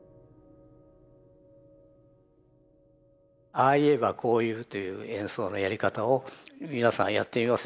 「ああ言えばこう言う」という演奏のやり方を皆さんやってみませんか。